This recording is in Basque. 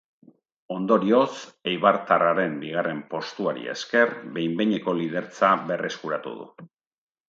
Ondorioz, eibartarraren bigarren postuari esker, behin behineko lidertza berreskuratu du.